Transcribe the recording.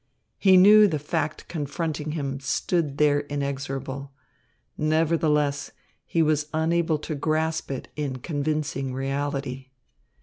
He knew the fact confronting him stood there inexorable; nevertheless, he was unable to grasp it in convincing reality.